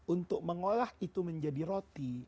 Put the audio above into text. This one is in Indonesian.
untuk mengolah itu menjadi roti